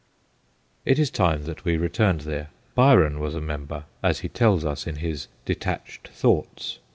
It is time that we returned there. Byron was a member, as he tells us in his * detached thoughts.'